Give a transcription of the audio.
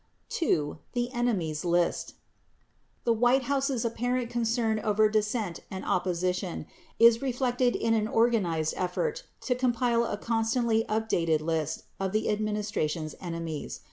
44 2. THE ENEMIES LIST The White House's apparent concern over dissent and opposition is reflected in an organized effort to compile a constantly updated list of the administration's "enemies."